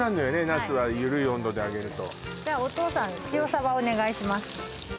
ナスは緩い温度で揚げるとじゃあお義父さん塩サバお願いします